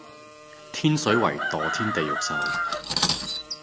天水圍墮天地獄獸